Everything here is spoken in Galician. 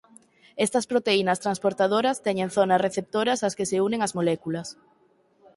Estas proteínas transportadoras teñen zonas receptoras ás que se unen as moléculas.